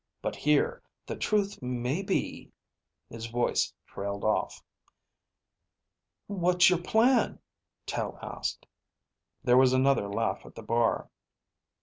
But here the truth may be ..." His voice trailed off. "What's your plan?" Tel asked. There was another laugh at the bar.